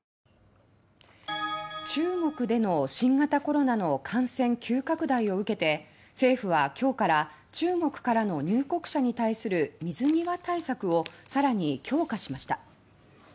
中国での新型コロナの感染急拡大を受けて政府は今日から中国からの入国者に対する水際対策をさらに強化しました。